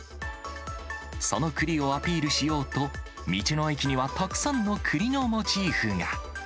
そのくりをアピールしようと、道の駅にはたくさんのくりのモチーフが。